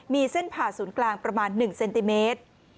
มีเส้นผ่าศูนย์กลางประมาณ๑เซนติเมตร